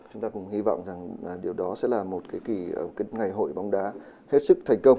chúng ta cùng hy vọng rằng điều đó sẽ là một ngày hội bóng đá hết sức thành công